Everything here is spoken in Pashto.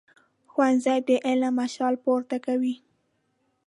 ښوونځی د علم مشال پورته کوي